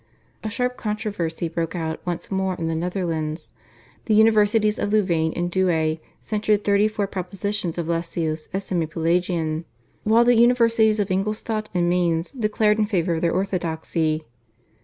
A sharp controversy broke out once more in the Netherlands. The Universities of Louvain and Douay censured thirty four propositions of Lessius as Semi Pelagian, while the Universities of Ingolstadt and Mainz declared in favour of their orthodoxy.